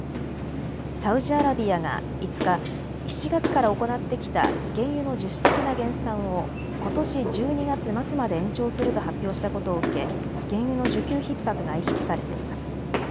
サウジアラビアが５日、７月から行ってきた原油の自主的な減産をことし１２月末まで延長すると発表したことを受け、原油の需給ひっ迫が意識されています。